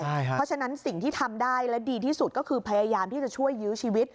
เพราะฉะนั้นสิ่งที่ทำได้และดีที่สุดก็คือพยายามที่จะช่วยยื้อชีวิต